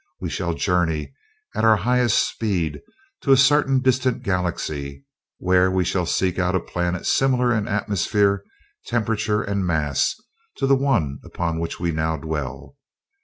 We shall journey at our highest speed to a certain distant Galaxy, where we shall seek out a planet similar in atmosphere, temperature, and mass to the one upon which we now dwell.